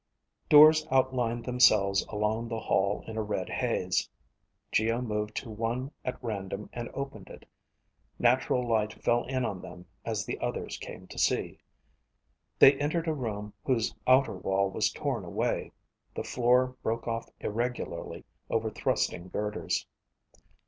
Doors outlined themselves along the hall in a red haze. Geo moved to one at random and opened it. Natural light fell in on them as the others came to see. They entered a room whose outer wall was torn away. The floor broke off irregularly over thrusting girders.